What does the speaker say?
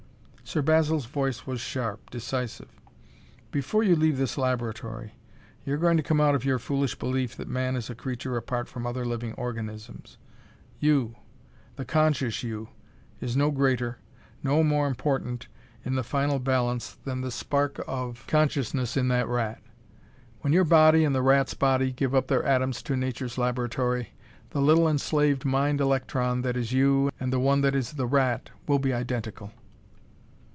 Sir Basil's voice was sharp, decisive. "Before you leave this laboratory, you're going to come out of your foolish belief that man is a creature apart from other living organisms. You the conscious you is no greater, no more important in the final balance than the spark of consciousness in that rat. When your body and the rat's body give up their atoms to nature's laboratory, the little enslaved mind electron that is you and the one that is the rat will be identical."